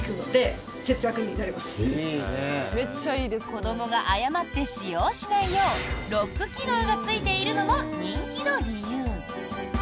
子どもが誤って使用しないようロック機能がついているのも人気の理由。